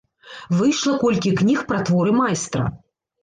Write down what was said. Выйшла колькі кніг пра творы майстра.